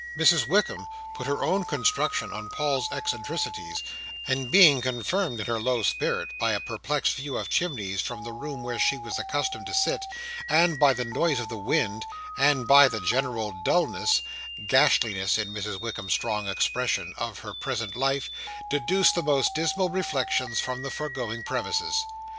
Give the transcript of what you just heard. Mrs Wickam put her own construction on Paul's eccentricities; and being confirmed in her low spirits by a perplexed view of chimneys from the room where she was accustomed to sit, and by the noise of the wind, and by the general dulness (gashliness was Mrs Wickam's strong expression) of her present life, deduced the most dismal reflections from the foregoing premises.